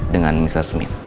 dengan mr smith